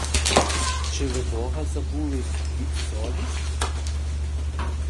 Чи ви бога забули й совість?